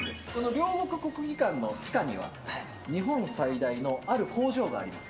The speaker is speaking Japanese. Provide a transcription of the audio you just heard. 両国国技館の地下には、日本最大の、ある工場があります。